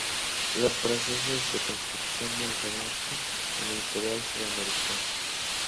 Los procesos de construcción del relato" en Editorial Sudamericana.